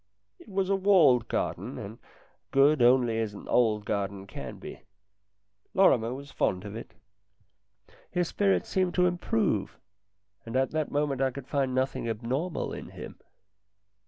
It was a walled garden and good as only an old garden can be. Lorrimer was fond of it. His spirits seemed to improve, and at the moment I could find nothing abnormal in him.